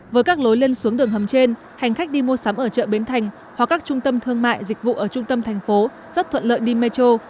với các lối lên xuống đường hầm trên hành khách đi mua sắm ở chợ bến thành hoặc các trung tâm thương mại dịch vụ ở trung tâm thành phố rất thuận lợi đi metro